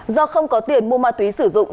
do không có tiền mua ma túy sử dụng